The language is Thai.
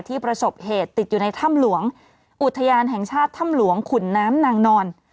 ประสบเหตุติดอยู่ในถ้ำหลวงอุทยานแห่งชาติถ้ำหลวงขุนน้ำนางนอน